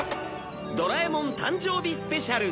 『ドラえもん』誕生日スペシャル